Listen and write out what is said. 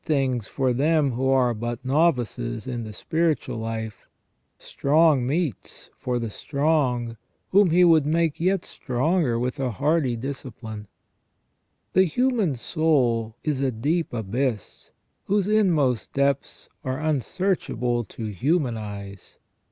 149 things for them who are but novices in the spiritual life; strong meats for the strong, whom He would make yet stronger with a hardy discipline. The human soul is a deep abyss, whose inmost depths are un searchable to human eyes.